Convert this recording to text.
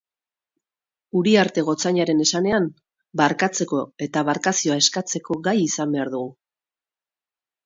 Uriarte gotzainaren esanean, barkatzeko eta barkazioa eskatzeko gai izan behar dugu.